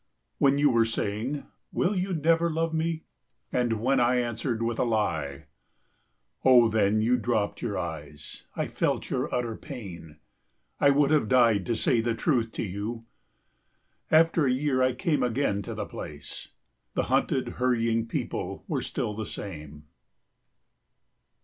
When you were saying, "Will you never love me?" And when I answered with a lie. Oh then You dropped your eyes. I felt your utter pain. I would have died to say the truth to you. After a year I came again to the place The hunted hurrying people were still the same....